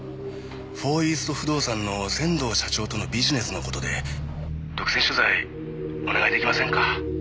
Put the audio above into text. フォーイースト不動産の仙道社長とのビジネスの事で独占取材お願い出来ませんか？